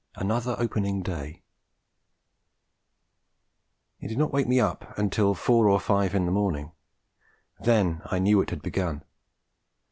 ANOTHER OPENING DAY ... It did not wake me up till four or five in the morning. Then I knew it had begun.